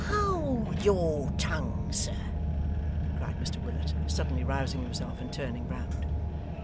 'Hold your tongue, sir,' cried Mr Willet, suddenly rousing himself, and turning round.